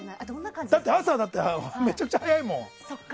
だって朝がめちゃくちゃ早いもん。